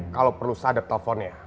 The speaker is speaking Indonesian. kalau perlu sadap teleponnya